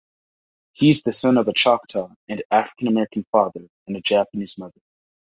He is the son of a Choctaw and African-American father and a Japanese mother.